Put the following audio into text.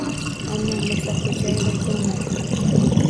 Ammo Mirzaxo‘jaeva ko‘nmadi.